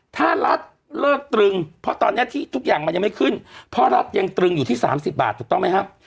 ถ้ารัฐเลิกตรึงเพราะตอนนี้ที่ทุกอย่างมันยังไม่ขึ้นเพราะรัฐยังตรึงอยู่ที่๓๐บาทถูกต้องไหมครับ